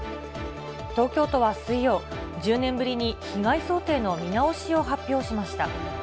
東京都は水曜、１０年ぶりに被害想定の見直しを発表しました。